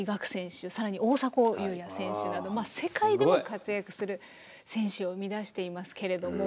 更に大迫勇也選手など世界でも活躍する選手を生み出していますけれども。